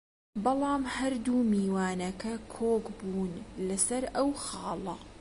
بەڵام هەردوو میوانەکە کۆک بوون لەسەر ئەو خاڵە